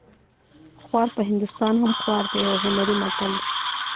خوار په هندوستان هم خوار دی یو هنري متل دی